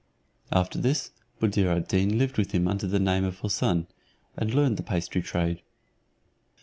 After this, Buddir ad Deen lived with him under the name of Houssun, and learned the pastry trade.